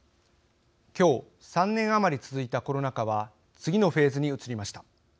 今日３年余り続いたコロナ禍は次のフェーズに移りました。